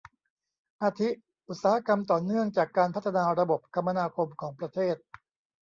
อาทิอุตสาหกรรมต่อเนื่องจากการพัฒนาระบบคมนาคมของประเทศ